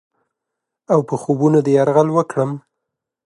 اوپه خوبونو دې یرغل وکړم؟